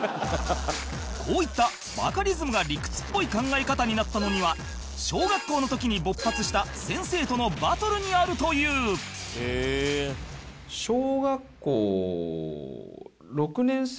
こういったバカリズムが理屈っぽい考え方になったのには小学校の時に勃発した先生とのバトルにあるというって言われたんですよ。